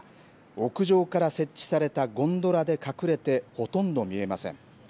屋上から設置されたゴンドラで隠れて、ほとんど見えません。